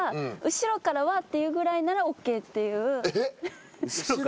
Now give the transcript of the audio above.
後ろから「わっ！」？ぐらいならＯＫっていうのを。